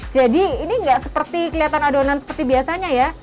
jadi ini enggak seperti kelihatan adonan seperti biasanya ya